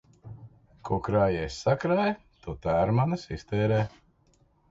Ko krājējs sakrāj, to tērmanis iztērē.